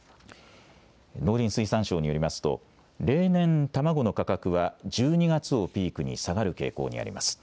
農林水産省によりますと、例年、卵の価格は１２月をピークに下がる傾向にあります。